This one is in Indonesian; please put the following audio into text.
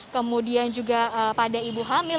kemudian juga pada ibu hamil